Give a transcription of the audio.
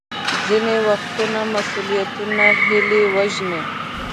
ځینې وختونه مسوولیتونه هیلې وژني.